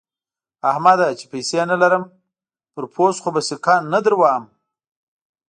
احمده! چې پيسې نه لرم؛ پر پوست خو به سکه نه دروهم.